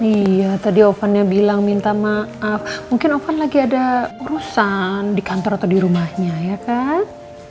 iya tadi ovan yang bilang minta maaf mungkin ovan lagi ada urusan di kantor atau di rumahnya ya kak